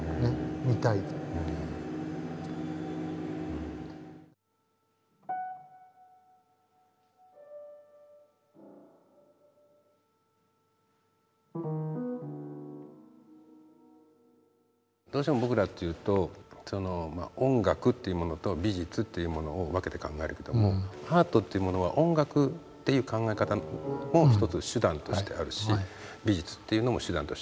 見たい。どうしても僕らっていうと音楽っていうものと美術っていうものを分けて考えるけども「アート」っていうものは音楽っていう考え方も一つ手段としてあるし美術っていうのも手段としてある。